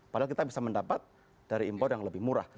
padahal kita bisa mendapat dari impor yang lebih murah